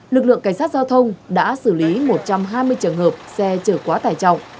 lực lượng cảnh sát giao thông đã xử lý một trăm hai mươi trường hợp xe chở quá tải trọng